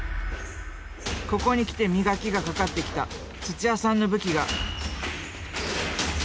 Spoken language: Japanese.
ここにきて磨きがかかってきた土屋さんの武器が！